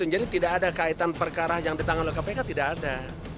jadi tidak ada kaitan perkara yang ditangan oleh kpk tidak ada